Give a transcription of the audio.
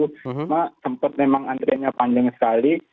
cuma sempat memang antriannya panjang sekali